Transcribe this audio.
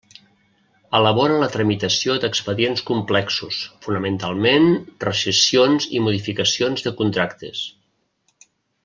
Elabora la tramitació d'expedients complexos, fonamentalment rescissions i modificacions de contractes.